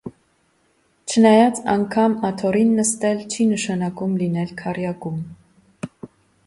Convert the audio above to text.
Չնայած անգամ աթոռին նստել չի նշանակում լինել քառյակում։